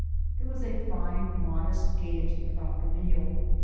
There was a fine, modest gayety about the meal.